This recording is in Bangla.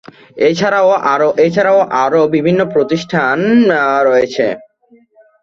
এ ছাড়াও আরো বিভিন্ন প্রতিষ্ঠান রয়েছে।